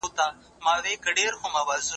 په کندهار کي د صنعت لپاره مواد څنګه ساتل کېږي؟